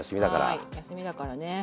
はい休みだからね